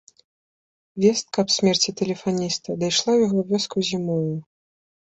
Вестка аб смерці тэлефаніста дайшла ў яго вёску зімою.